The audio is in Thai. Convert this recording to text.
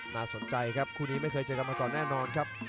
น่าสนใจครับคู่นี้ไม่เคยเจอกันมาก่อนแน่นอนครับ